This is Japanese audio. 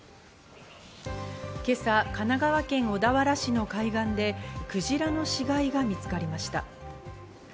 今朝、神奈川県小田原市の海岸でクジラの死骸が見つかりました。